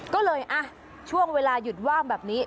ก็เลยช่วงเวลาหยุดว่างแบบนี้